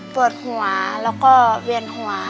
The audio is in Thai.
ปวดหัวแล้วก็เวียนหัว